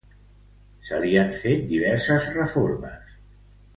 Se li han fet diverses reformes.